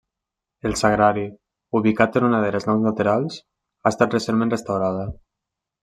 El Sagrari, ubicat en una de les naus laterals, ha estat recentment restaurada.